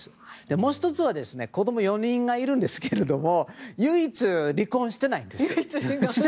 もう１つは子供４人いるんですが唯一、離婚していないんですよ。